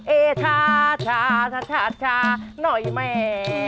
เอเช้าเช้าหน่อยแม่